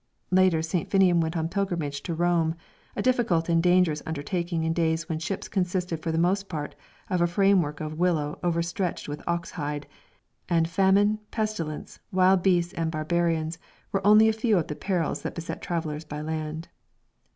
Later, St. Finnian went on pilgrimage to Rome, a difficult and dangerous undertaking in days when ships consisted for the most part of a framework of willow overstretched with ox hide; and famine, pestilence, wild beasts and barbarians were only a few of the perils that beset travellers by land.